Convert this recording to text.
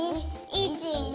１２！